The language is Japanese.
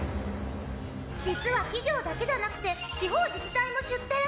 実は企業だけじゃなくて地方自治体も出展。